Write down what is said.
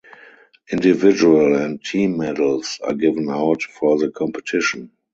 Individual and team medals are given out for the competition.